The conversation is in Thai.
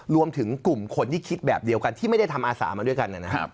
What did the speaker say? รวมถึงกลุ่มคนที่คิดแบบเดียวกันที่ไม่ได้ทำอาสามาด้วยกันนะครับ